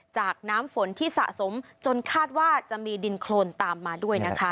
น้ำฝนที่สะสมจนคาดว่าจะมีดินโครนตามมาด้วยนะคะ